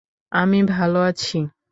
আমি ভাল আছি।